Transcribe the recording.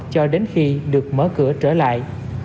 cho đến khi được mở cửa trở lại